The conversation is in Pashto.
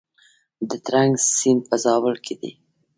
د ترنک سیند په زابل کې دی